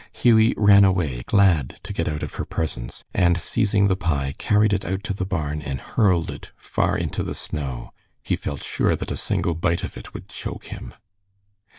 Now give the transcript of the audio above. Hughie ran away, glad to get out of her presence, and seizing the pie, carried it out to the barn and hurled it far into the snow. He felt sure that a single bite of it would choke him.